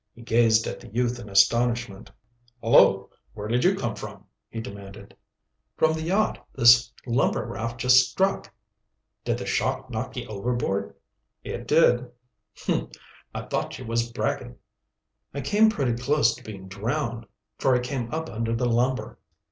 He gazed at the youth in astonishment. "Hullo! Where did you come from?" he demanded. "From the yacht this lumber raft just struck." "Did the shock knock ye overboard?" "It did." "Humph! I thought ye was Bragin." "I came pretty close to being drowned, for I came up under the lumber."